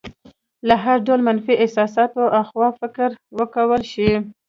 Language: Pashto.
له هر ډول منفي احساساتو اخوا فکر وکولی شي.